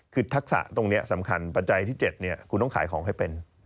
คือทักษะตรงนี้สำคัญปัจจัยที่๗คุณต้องขายของให้เป็น